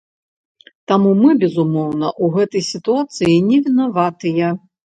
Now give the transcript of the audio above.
Таму мы, безумоўна, у гэтай сітуацыі не вінаватыя.